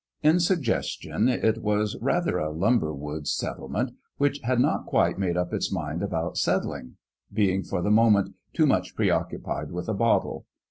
In sug gestion it was rather a lumber woods settlement which had not quite made up its mind about settling, being for the moment too much preoc cupied with a bottle.